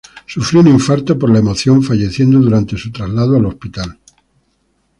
Sufrió un infarto por la emoción, falleciendo durante su traslado al hospital.